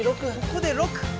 ここで６！